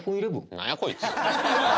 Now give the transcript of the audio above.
「“なんやこいつ”」